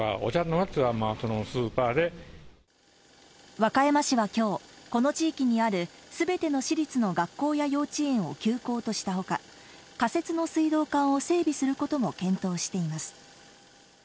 和歌山市は今日この地域にある全ての市立の学校や幼稚園を休校としたほか、仮設の水道管を整備することも検討しています。